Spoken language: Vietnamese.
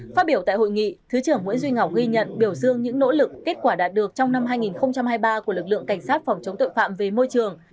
phát biểu tại hội nghị thứ trưởng nguyễn duy ngọc ghi nhận biểu dương những nỗ lực kết quả đạt được trong năm hai nghìn hai mươi ba của lực lượng cảnh sát phòng chống tội phạm về môi trường